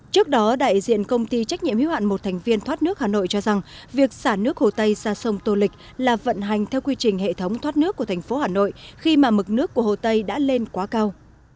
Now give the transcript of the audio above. trước đó đại diện công ty trách nhiệm hiếu hạn một thành viên thoát nước hà nội cho rằng việc xả nước hồ tây ra sông tô lịch là vận hành theo quy trình hệ thống thoát nước của thành phố hà nội khi mà mực nước của hồ tây đã lên quá cao